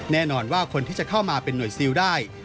แน่นอนว่าคนที่จะเข้ามาเป็นหน่วยซิลได้